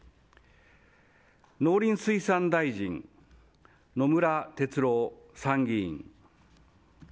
農林水産大臣、野村哲郎参議院。